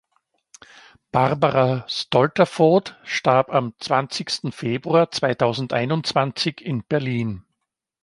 Barbara Stolterfoht starb am zwanzigsten Februar zweitausendeinundzwanzig in Berlin.